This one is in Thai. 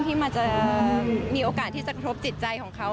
ที่มันจะมีโอกาสที่จะครบจิตใจของเขา